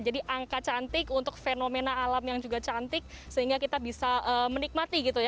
jadi angka cantik untuk fenomena alam yang juga cantik sehingga kita bisa menikmati gitu ya